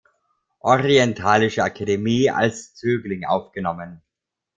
Orientalische Akademie als Zögling aufgenommen.